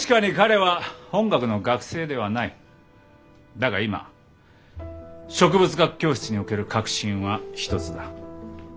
だが今植物学教室における核心は一つだ。